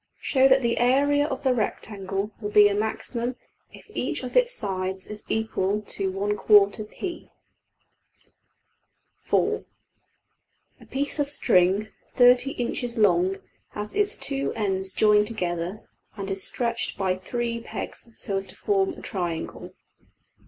Show that the area of the rectangle will be a maximum if each of its sides is equal to~$\fracp$. \Item[Ex9No4]{(4)} A piece of string $30$~inches long has its two ends joined together and is stretched by $3$~pegs so as to form a triangle.